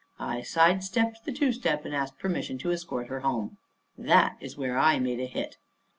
I side stepped the two step, and asked permission to escort her home. That's where I made a hit.